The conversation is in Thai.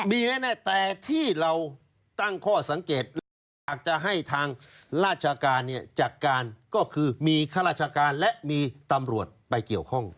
มีแน่แต่ที่เราตั้งข้อสังเกตและอยากจะให้ทางราชการเนี่ยจัดการก็คือมีข้าราชการและมีตำรวจไปเกี่ยวข้อง